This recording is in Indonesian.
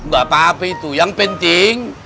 gak apa apa itu yang penting